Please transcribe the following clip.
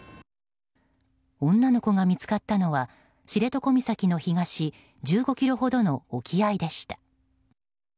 女の子が見つかったのは知床岬の東１５ｋｍほどの沖合でした。